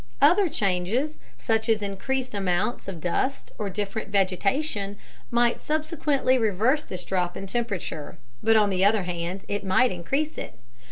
Other changes, such as increased amounts of dust or different vegetation, might subsequently reverse this drop in temperature but on the other hand, it might increase it.